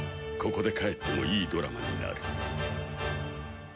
ここで帰ってもいいドラマになる。